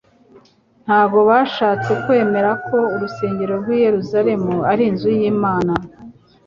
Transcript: Ntabwo bashatse kwemera ko urusengero rw'i Yerusalemu ari inzu y'Imana,